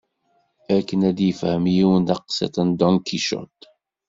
Akken ad yefhem yiwen taqsiṭ n Don Kicuṭ.